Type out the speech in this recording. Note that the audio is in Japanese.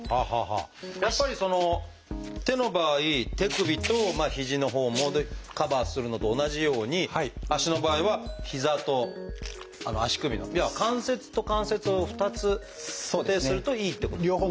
やっぱり手の場合手首と肘のほうもカバーするのと同じように脚の場合は膝と足首の要は関節と関節を２つ固定するといいっていうことですか？